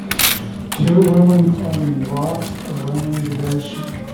two woman climbing rocks around the ocean